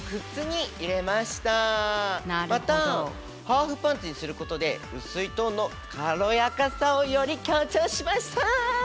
またハーフパンツにすることでうすいトーンの軽やかさをより強調しました。